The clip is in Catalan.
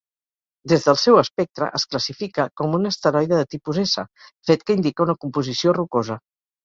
Des del seu espectre, es classifica com un asteroide de tipus S, fet que indica una composició rocosa.